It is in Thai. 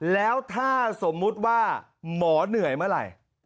แล้วถ้าสมมุติว่าหมอเหนื่อยเมื่อไหร่